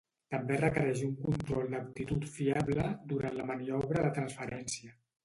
També requereix un control d'actitud fiable durant la maniobra de transferència.